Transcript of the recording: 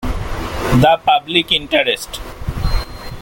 The public interest.